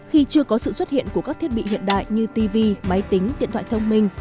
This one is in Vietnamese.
khi chưa có sự xuất hiện của các thiết bị hiện đại như tv máy tính điện thoại thông minh